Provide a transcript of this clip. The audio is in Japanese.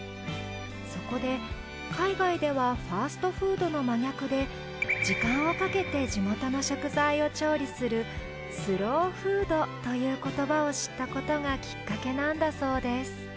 そこで海外ではファストフードの真逆で時間をかけて地元の食材を調理する「スローフード」という言葉を知ったことがきっかけなんだそうです